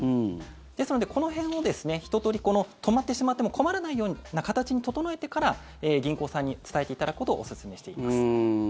ですので、この辺をひと通り止まってしまっても困らないような形に整えてから銀行さんに伝えていただくことをおすすめしています。